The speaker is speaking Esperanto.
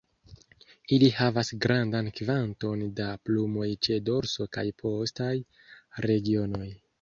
Ili havas grandan kvanton da plumoj ĉe dorso kaj postaj regionoj.